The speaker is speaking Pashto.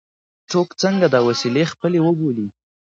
څوک څنګه دا وسیلې خپلې وبولي.